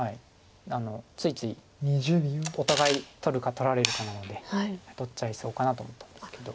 ついついお互い取るか取られるかなので取っちゃいそうかなと思ったんですけど。